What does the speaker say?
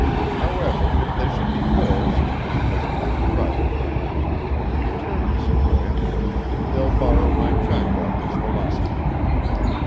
However, if they should be forced, because of their private affairs, to return to Sequoia, they'll borrow my trackwalker's velocipede.